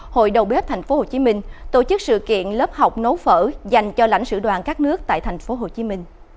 hội đầu bếp tp hcm tổ chức sự kiện lớp học nấu phở dành cho lãnh sử đoàn các nước tại tp hcm